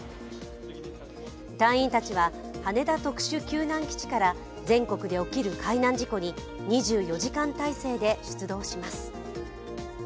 隊員たちは羽田特殊救難基地から全国で起きる海難事故に２４時間体制で出動します。